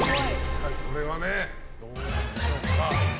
これはどうなんでしょうか？